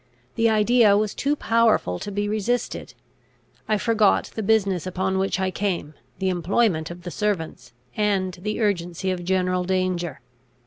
The idea was too powerful to be resisted. I forgot the business upon which I came, the employment of the servants, and the urgency of general danger.